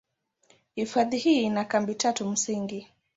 Hifadhi hii ina kambi tatu msingi.